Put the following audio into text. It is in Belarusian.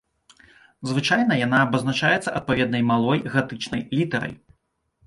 Звычайна яна абазначаецца адпаведнай малой гатычнай літарай.